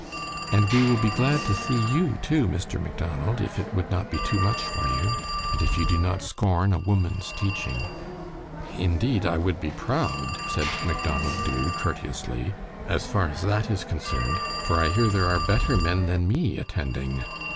"And we will be glad to see you, too, Mr. Macdonald, if it would not be too much for you, and if you do not scorn a woman's teaching." "Indeed, I would be proud," said Macdonald Dubh, courteously, "as far as that is concerned, for I hear there are better men than me attending."